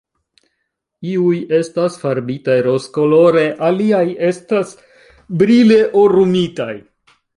Iuj estas farbitaj rozkolore, aliaj estas brile orumitaj.